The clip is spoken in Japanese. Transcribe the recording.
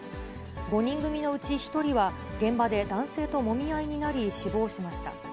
５人組のうち１人は、現場で男性ともみ合いになり、死亡しました。